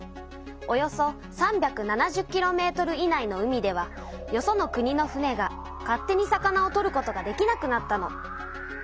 およそ３７０ｋｍ以内の海ではよその国の船が勝手に魚を取ることができなくなったの。